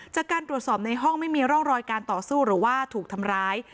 จากการตรวจสอบในห้องไม่มีร่องรอยการต่อสู้หรือว่าถูกทำร้าย